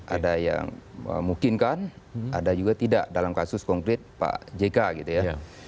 ada yang memungkinkan ada juga tidak dalam kasus konkret pak jk gitu ya